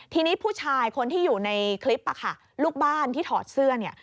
ทีนี้ผู้ชายคนที่อยู่ในคลิปอะค่ะลูกบ้านที่ถอดเสื้อเนี่ย